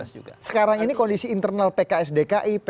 sekarang ini kondisi internal pks dki